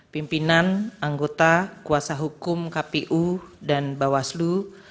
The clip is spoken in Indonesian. pimpinan anggota kuasa hukum kpu dan bawaslu